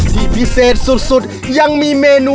ที่พิเศษสุดยังมีเมนู